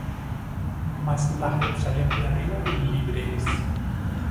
Mas la Jerusalem de arriba libre es;